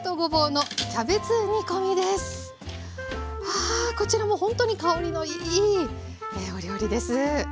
はあこちらもほんとに香りのいいお料理です。